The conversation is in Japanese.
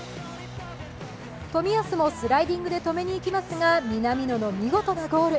冨安もスライディングで止めに行きますが南野の見事なゴール。